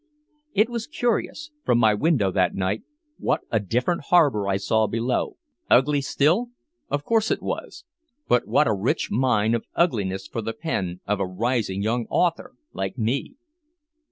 It was curious, from my window that night, what a different harbor I saw below. Ugly still? Of course it was. But what a rich mine of ugliness for the pen of a rising young author like me!